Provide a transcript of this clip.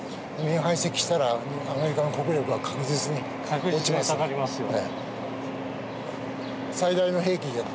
確実に下がりますよね。